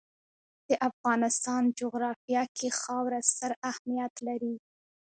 د افغانستان جغرافیه کې خاوره ستر اهمیت لري.